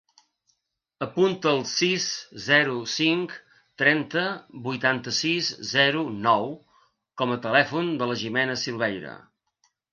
Apunta el sis, zero, cinc, trenta, vuitanta-sis, zero, nou com a telèfon de la Jimena Silveira.